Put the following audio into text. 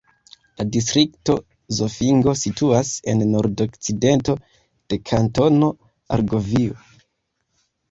La distrikto Zofingo situas en nordokcidento de Kantono Argovio.